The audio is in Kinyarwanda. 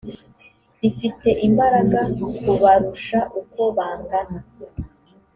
rifite imbaraga kubarusha uko bangana